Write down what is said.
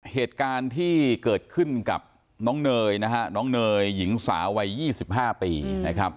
เหตุการณ์ที่เกิดขึ้นกับน้องเนยนะฮะน้องเนยหญิงสาววัย๒๕ปีนะครับ